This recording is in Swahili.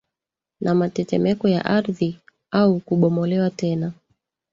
na matetemeko ya ardhi au kubomolewa tena